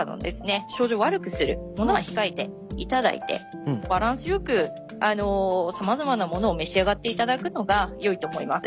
症状を悪くするものは控えていただいてバランスよくさまざまなものを召し上がっていただくのがよいと思います。